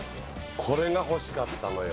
これが欲しかったのよ